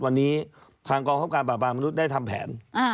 วันนี้ทางกองคับการปราบปรามมนุษย์ได้ทำแผน